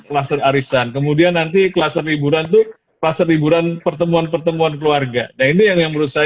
klaster arisan kemudian nanti klaster liburan tuh klaster liburan pertemuan pertemuan keluarga yang